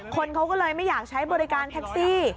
คนเขาก็เลยไม่อยากใช้บริการแท็กซี่